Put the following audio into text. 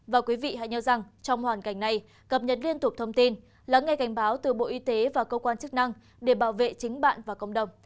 và quý vị hãy nhớ rằng trong hoàn cảnh này cập nhật liên tục thông tin lắng nghe cảnh báo từ bộ y tế và cơ quan chức năng để bảo vệ chính bạn và cộng đồng